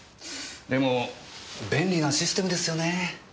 でも便利なシステムですよねぇ。